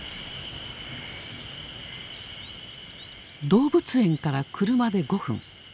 動物園から車で５分。